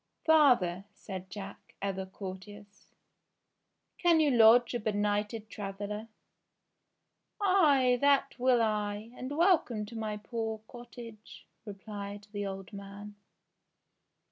''Father," said Jack, ever courteous, "can you lodge a benighted traveller ?" "Ay, that will I, and welcome to my poor cottage,'* re plied the old man.